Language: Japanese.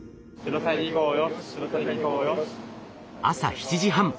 朝７時半